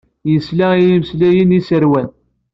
Yesla i yimeslayen yesrawen.